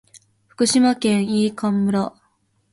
福島県飯舘村